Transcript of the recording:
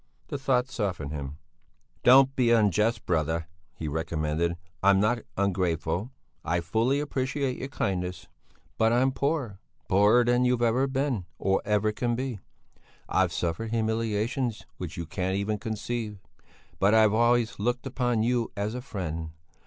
The thought softened him. "Don't be unjust, brother," he re commenced. "I'm not ungrateful; I fully appreciate your kindness; but I'm poor, poorer than you've ever been, or ever can be; I've suffered humiliations which you can't even conceive; but I've always looked upon you as a friend.